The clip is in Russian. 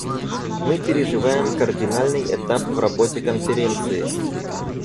Мы переживаем кардинальный этап в работе Конференции.